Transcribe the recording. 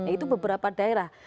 itu beberapa daerah